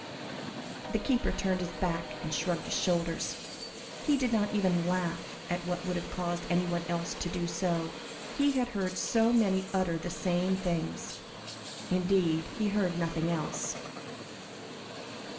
The keeper turned his back, and shrugged his shoulders; he did not even laugh at what would have caused anyone else to do so; he had heard so many utter the same things,—indeed, he heard nothing else.